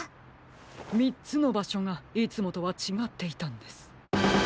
３つのばしょがいつもとはちがっていたんです！